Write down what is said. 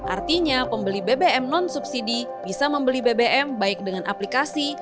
artinya pembeli bbm non subsidi bisa membeli bbm baik dengan aplikasi